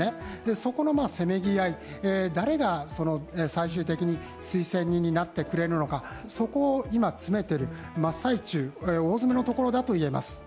そこのせめぎ合い、誰が最終的に推薦になってくれるのか、そこを今、詰めている真っ最中大詰めのところだといえます。